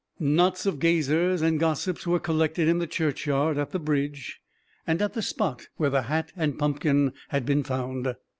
Knots of gazers and gossips were collected in the churchyard, at the bridge, and at the spot where the hat and pumpkin had been found.